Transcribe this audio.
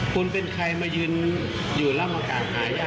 คุณเป็นใครมายืนอยู่ในร่างมือฝากหายา